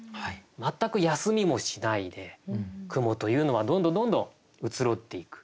全く休みもしないで雲というのはどんどんどんどん移ろっていく。